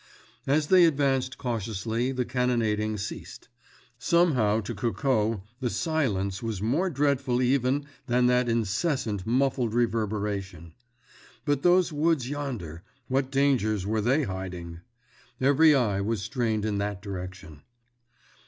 As they advanced cautiously the cannonading ceased. Somehow to Coco the silence was more dreadful even than that incessant muffled reverberation. But those woods yonder—what dangers were they hiding? Every eye was strained in that direction.